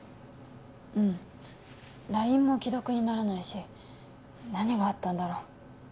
うんＬＩＮＥも既読にならないし何があったんだろう